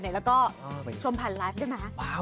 แล้วก็ชมผ่านไลฟ์ได้ไหม